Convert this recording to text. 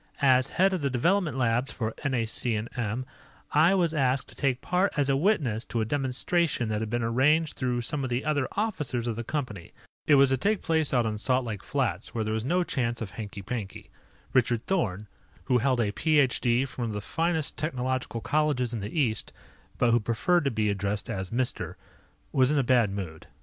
"As head of the development labs for NAC&M, I was asked to take part as a witness to a demonstration that had been arranged through some of the other officers of the company. It was to take place out on Salt Lake Flats, where "It was to take place out on Salt Lake Flats, where there was no chance of hanky panky. Richard Thorn who held a Ph.D. from one of the finest technological colleges in the East, but who preferred to be addressed as "Mister" was in a bad mood.